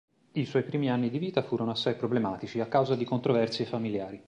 I suoi primi anni di vita furono assai problematici a causa di controversie familiari.